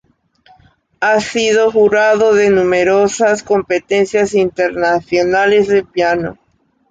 Ha sido jurado de numerosas competencias internacionales de piano.